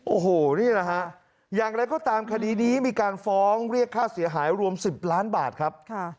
โอ้โหนี่แหละฮะอย่างไรก็ตามคดีนี้มีการฟ้องเรียกค่าเสียหายรวม๑๐ล้านบาทครับ